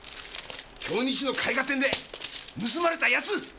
京日の絵画展で盗まれたやつ！